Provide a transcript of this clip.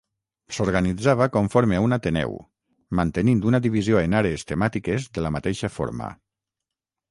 S'organitzava conforme a un ateneu, mantenint una divisió en àrees temàtiques de la mateixa forma.